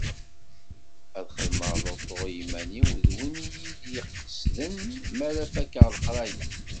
Ad xedmeɣ lutu i yiman-iw d win iyi-id-iqesden mi ara fakeɣ leqraya.